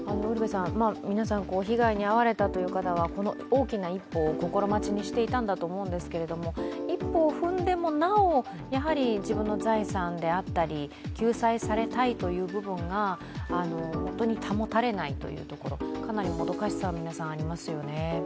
皆さん、被害に遭われたという方はこの大きな一歩を心待ちにしていたと思うんですけど、一歩踏んでもなお、自分の財産であったり救済されたいという部分が本当に保たれないというところ、かなりもどかしさが皆さんありますよね。